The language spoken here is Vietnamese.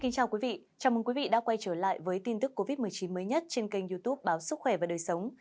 chào mừng quý vị đã quay trở lại với tin tức covid một mươi chín mới nhất trên kênh youtube báo sức khỏe và đời sống